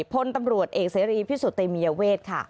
พลตำรวจเอกเสรีพิสุทธิเตมียเวทค่ะ